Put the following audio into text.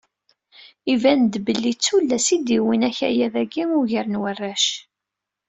Iban-d belli d tullas i d-yewwin akayad-agi ugar n warrac.